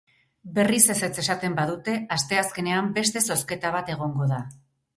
Berriz ezetz esaten badute, asteazkenean beste bozketa bat egongo da.